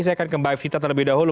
saya akan ke mbak evita terlebih dahulu